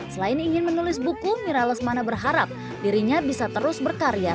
selain ingin menulis buku mira lesmana berharap dirinya bisa terus berkarya